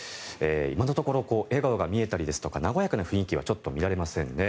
今のところ笑顔が見えたりですとか和やかな雰囲気はちょっと見られませんね。